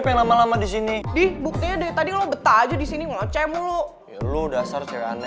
pengen lama lama disini dih buktinya deh tadi lo betah aja di sini ngelocet mulu lu udah search